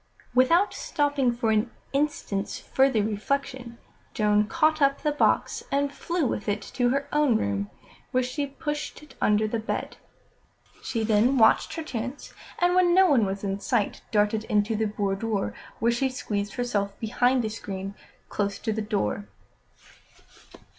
Without stopping for an instant's further reflection, Joan caught up the box and flew with it to her own room, where she pushed it under the bed. She then watched her chance, and when no one was in sight, darted into the boudoir, where she squeezed herself behind a screen close to the door.